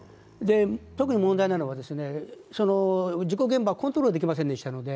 特に問題なのが、事故現場はコントロールできませんでしたので